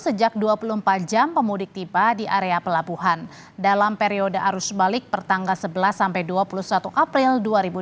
sejak dua puluh empat jam pemudik tiba di area pelabuhan dalam periode arus balik pertanggal sebelas sampai dua puluh satu april dua ribu dua puluh